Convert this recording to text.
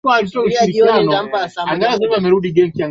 Akilinganisha imani na akili Augustino alichunguza hasa fumbo la Mungu